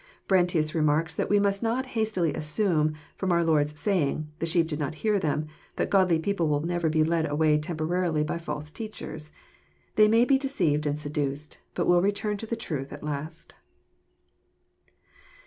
*'. Brentius remarks that we must not hastily assume, ft'om our I Lord's saying " the sheep did not hear them, that godly peo ' pie will never be led away temporarily by false teachers. They may be deceived and seduced, but will return to the truth at last.